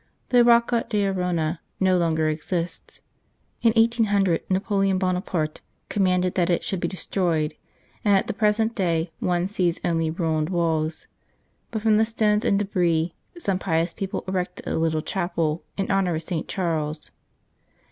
The Rocca d Arona no longer exists. In 1800 Napoleon Bonaparte com manded that it should be destroyed, and at the present day one sees only ruined walls, but from the stones and debris some pious people erected a little chapel in honour of St. Charles.